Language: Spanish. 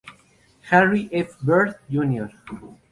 Harry F. Byrd, Jr.